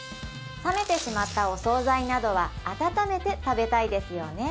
冷めてしまったお惣菜などは温めて食べたいですよね